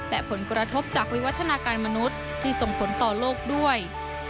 และผลกระทบจากวิวัฒนาการมนุษย์ที่ส่งผลต่อโลกด้วย